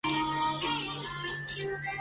金圣叹最大贡献在于文学批评。